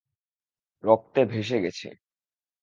রক্তে ভেসে গেছে।